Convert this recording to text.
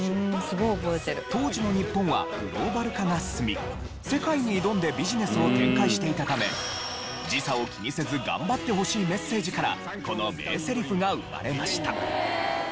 当時の日本はグローバル化が進み世界に挑んでビジネスを展開していたため時差を気にせず頑張ってほしいメッセージからこの名セリフが生まれました。